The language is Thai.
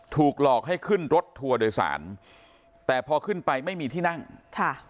ถูกหลอกให้ขึ้นรถทัวร์โดยสารแต่พอขึ้นไปไม่มีที่นั่งค่ะ